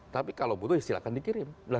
tapi kalau butuh ya silahkan dikirim